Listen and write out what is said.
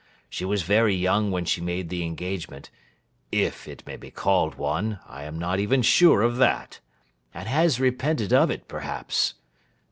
She was very young when she made the engagement—if it may be called one, I am not even sure of that—and has repented of it, perhaps.